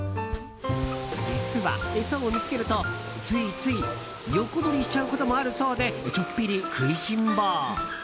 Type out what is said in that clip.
実は餌を見つけると、ついつい横取りしちゃうこともあるそうでちょっぴり食いしん坊。